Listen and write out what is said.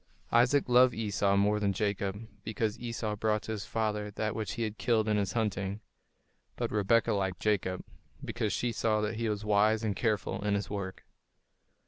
Isaac loved Esau more than Jacob, because Esau brought to his father that which he had killed in his hunting; but Rebekah liked Jacob, because she saw that he was wise and careful in his work.